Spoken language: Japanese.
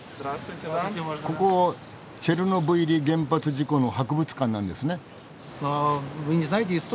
ここチェルノブイリ原発事故の博物館なんですね？